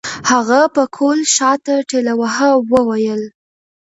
هغه پکول شاته ټېلوهه وويل.